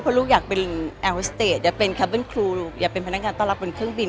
เพราะลูกอยากเป็นแอร์โฮสเตจอย่าเป็นคาร์เบิ้ลครูลูกอย่าเป็นพนักงานต้อนรับบนเครื่องบิน